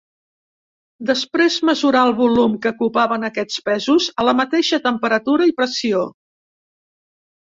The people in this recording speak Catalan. Després mesurà el volum que ocupaven aquests pesos a la mateixa temperatura i pressió.